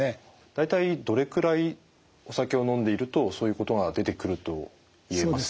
大体どれくらいお酒を飲んでいるとそういうことが出てくると言えますか？